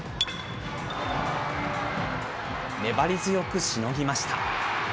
粘り強くしのぎました。